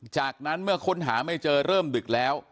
จากนั้นเมื่อค้นหาไม่เจอเริ่มดึกแล้ว